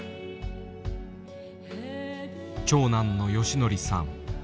長男の宜敬さん。